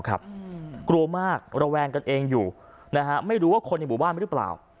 กลัวมากระแวงกันเองอยู่ไม่รู้ว่าคนในหมู่บ้านหรือเปล่า